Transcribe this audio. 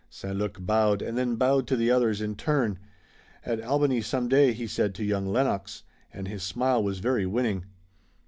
St. Luc bowed, and then bowed to the others in turn. "At Albany some day," he said to young Lennox, and his smile was very winning.